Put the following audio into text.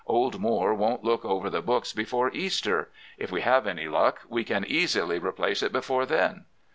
Old Moore won't look over the books before Easter. If we have any luck, we can easily replace it before then.